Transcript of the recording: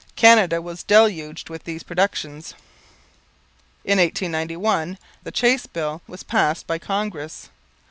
Canada was deluged with these productions. In 1891, the Chace Bill was passed by Congress.